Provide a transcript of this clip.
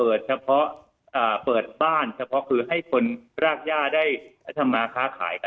เฉพาะเปิดบ้านเฉพาะคือให้คนรากย่าได้ทำมาค้าขายกัน